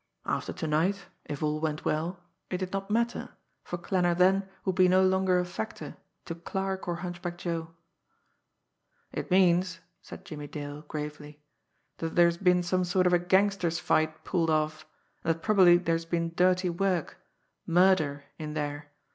After to night if all went well it did not matter, for Klanner then would be no longer a factor to Clarke or Hunchback Joe! "It means," said Jimmie Dale gravely, "that there's been some sort of a gangster's fight pulled off, and that probably there's been dirty work murder in there.